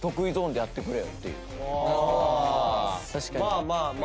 まあまあまあ。